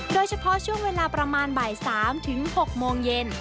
โดยเฉพาะช่วงเวลาประมาณบ่าย๓ถึง๖โมงเย็น